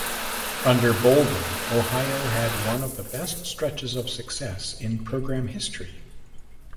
Under Boldon Ohio had one of the best stretches of success in program history.